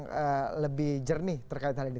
yang lebih jernih terkait hal ini